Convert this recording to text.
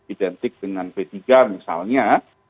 identik dengan p tiga misalnya